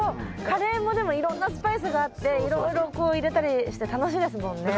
カレーもでもいろんなスパイスがあっていろいろこう入れたりして楽しいですもんね。